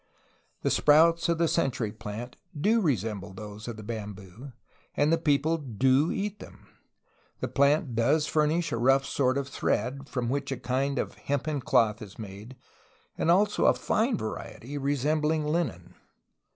The sprouts of the century plant do re semble those of the bamboo, and the people do eat them. The plant does furnish a rough sort of thread, from which a kind of hempen cloth is made and also a fine variety resem bling linen.